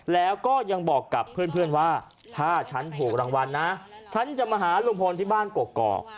แล้วก็ยังบอกกับเพื่อนว่าถ้าฉันถูกรางวัลนะฉันจะมาหาลุงพลที่บ้านกอก